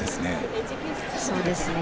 そうですね。